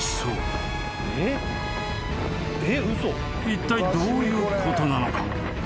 ［いったいどういうことなのか？］